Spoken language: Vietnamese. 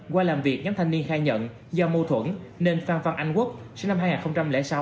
qua làm việc nhóm thanh niên khai nhận do mâu thuẫn nên phan phan anh quốc sinh năm hai nghìn sáu